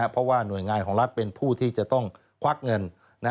เพราะว่าหน่วยงานของรัฐเป็นผู้ที่จะต้องควักเงิน